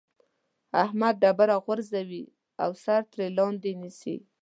احمد ډبره غورځوي او سر ترې لاندې نيسي.